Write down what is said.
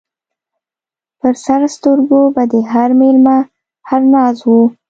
پر سر سترګو به د هر مېلمه هر ناز و